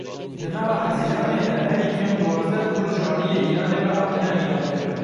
Di meha Hezîranê de herî kêm duwazdeh Kurd ji aliyê Îranê ve hatine îdamkirin.